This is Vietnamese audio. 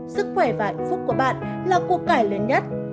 sức khỏe và hạnh phúc của bạn là cuộc cải lớn nhất